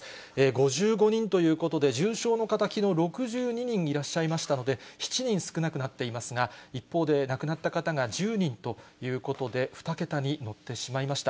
５５人ということで、重症の方、きのう、６２人いらっしゃいましたので、７人少なくなっていますが、一方で亡くなった方が１０人ということで、２桁に乗ってしまいました。